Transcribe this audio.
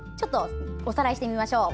おさらいしてみましょう。